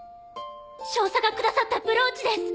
少佐がくださったブローチです！